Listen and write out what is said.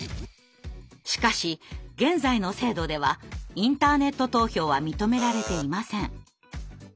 しかし現在の制度ではインターネット投票は認められていません。